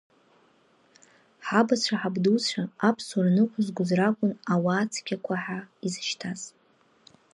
Ҳабацәа, ҳабдуцәа, аԥсуара ныҟәызгоз ракәын ауаацқьақәа ҳәа изышьҭаз.